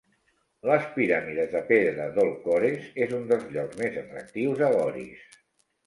Les piràmides de pedra d'Old Kores es un dels llocs més atractius a Goris.